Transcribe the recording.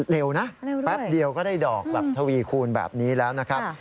เร็วนะแป๊บเดียวก็ได้ดอกแบบทวีคูณแบบนี้แล้วนะครับ